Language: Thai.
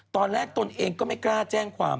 ตอนแรกตนเองก็ไม่กล้าแจ้งความ